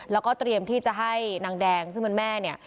แล้วก็เตรียมที่จะให้นางแดงซึ่งเป็นแม่เนี่ย